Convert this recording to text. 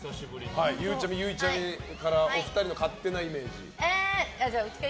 ゆうちゃみ、ゆいちゃみからお二人の勝手なイメージ。